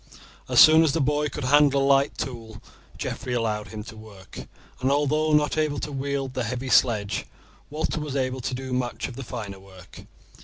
As soon as the boy could handle a light tool Geoffrey allowed him to work, and although not able to wield the heavy sledge Walter was able to do much of the finer work.